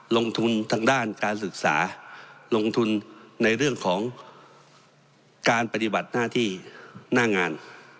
ลงทุนทางด้านการศึกษาลงทุนในเรื่องของการปฏิบัติหน้าที่หน้างาน